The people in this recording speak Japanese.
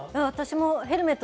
私もヘルメット